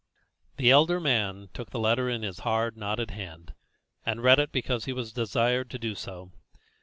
The elder man took the letter in his hard, knotted hand, and read it because he was desired to do so.